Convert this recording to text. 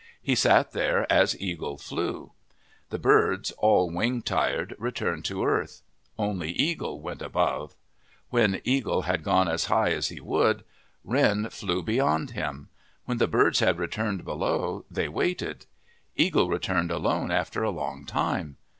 He sat there as Eagle flew. The birds, all wing tired, returned to earth. Only Eagle went above. When Eagle had gone as high as he could, Wren flew beyond him. When the birds had returned below, they waited. Eagle returned alone after a long time.